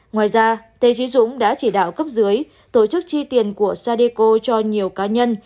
ngoài ra tê trí dũng đã chỉ đạo cấp dưới tổ chức chi tiền của sadeco cho nhiều cá nhân